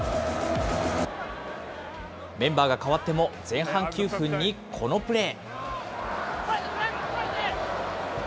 メンバーが替わっても前半９分にこのプレー。